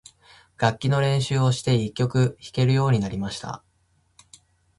楽器の練習をして、一曲弾けるようになりました。